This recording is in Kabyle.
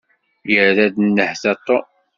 Yerra-d nnehta Tom.